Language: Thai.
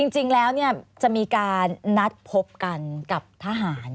จริงแล้วจะมีการนัดพบกันกับทหาร